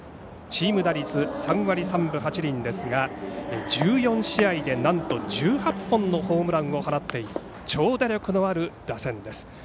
チーム打率は３割３分８厘ですが１４試合でなんと１８本のホームランを放っている長打力のある打線です。